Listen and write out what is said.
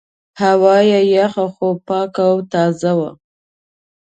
هوا یې یخه خو پاکه او تازه وه.